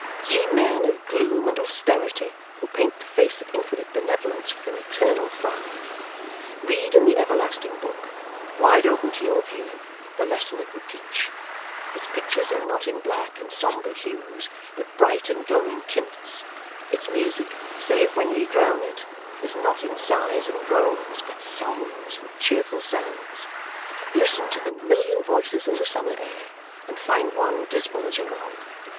Ye men of gloom and austerity, who paint the face of Infinite Benevolence with an eternal frown; read in the Everlasting Book, wide open to your view, the lesson it would teach. Its pictures are not in black and sombre hues, but bright and glowing tints; its music save when ye drown it is not in sighs and groans, but songs and cheerful sounds. Listen to the million voices in the summer air, and find one dismal as your own.